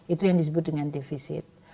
itu yang disebut dengan defisit